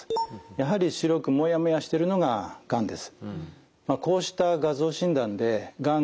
やはり白くもやもやしているのががんです。